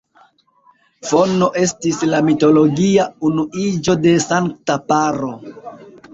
Fono estis la mitologia unuiĝo de sankta paro.